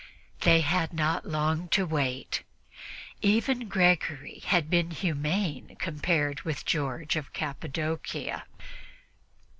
They had not long to wait. Even Gregory had been humane compared with George of Cappadocia.